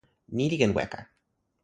ni li ken weka.